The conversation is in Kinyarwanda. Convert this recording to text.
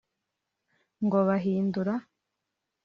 ngo bahindura